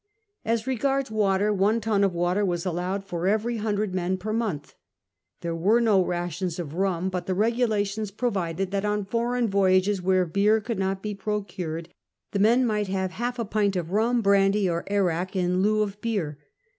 ^ As regards water, one ton of water was allowed for every hundred men per month. There were no rations of mm, hut the regulations provided that on foreign voyages, where beer could not be procured, the men might have half a pint of rum, brandy, or arrack in lieu of beer.